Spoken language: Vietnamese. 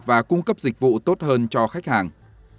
và cung cấp dịch vụ tốt hơn cho khách hàng